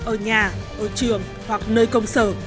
ở nhà ở trường hoặc nơi công sở